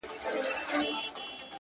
هره شېبه د سم تصمیم وخت کېدای شي؛